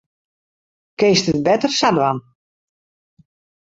Kinst it better sa dwaan.